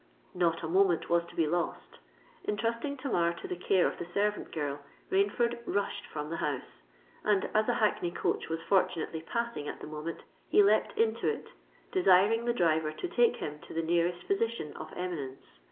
Not a moment was to be lost. Entrusting Tamar to the care of the servant girl, Rainford rushed from the house; and, as a hackney coach was fortunately passing at the moment, he leapt into it, desiring the driver to take him to the nearest physician of eminence.